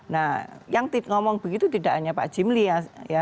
nah yang ngomong begitu tidak hanya pak jimli ya